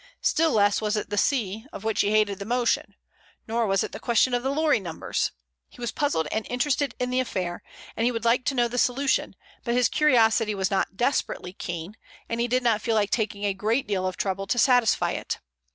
Still less was it the sea, of which he hated the motion. Nor was it the question of the lorry numbers. He was puzzled and interested in the affair, and he would like to know the solution, but his curiosity was not desperately keen, and he did not feel like taking a great deal of trouble to satisfy it.